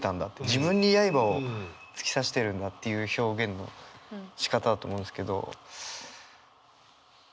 自分に刃を突き刺しているんだっていう表現のしかただと思うんですけど。